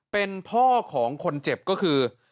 เป็นพ่อของคนเจ็บก็คือ